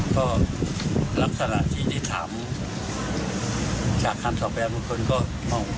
ก็รักษระที่ถามจากคำสอบอนแบบคนคนก็มอง